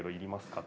って。